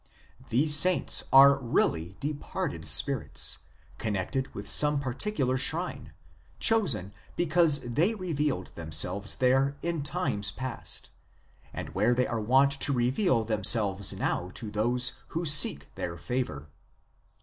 " These saints are really departed spirits, connected with some particular shrine, chosen because they revealed themselves there in times past, and where they are wont to reveal themselves now to those who seek their favour."